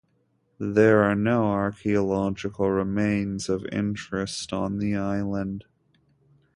There are no archaeological remains of interest on the island.